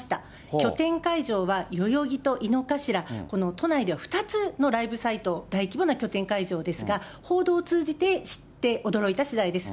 拠点会場は代々木と井の頭、都内では２つのライブサイト、大規模な拠点会場ですが、報道を通じて知って、驚いたしだいです。